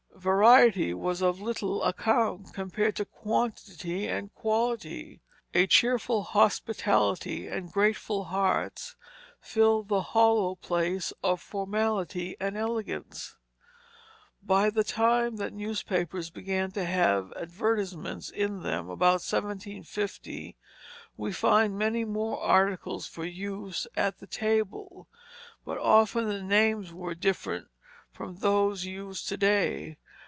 Variety was of little account, compared to quantity and quality. A cheerful hospitality and grateful hearts filled the hollow place of formality and elegance. By the time that newspapers began to have advertisements in them about 1750 we find many more articles for use at the table; but often the names were different from those used to day.